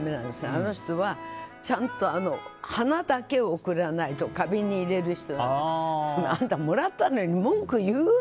あの人は、ちゃんと花だけを贈らないと花瓶に入れる人だから。あんた、もらったのに文句言う？